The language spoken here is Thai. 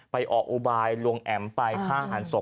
ออกอุบายลวงแอ๋มไปฆ่าหันศพ